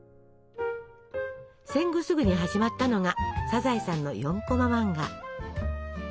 戦後すぐに始まったのが「サザエさん」の４コマ漫画。